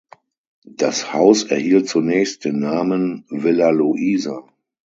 Das Haus erhielt zunächst den Namen „Villa Luisa“.